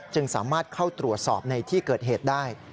จึงสามารถเข้าตรวจสอบในที่เกิดเหตุได้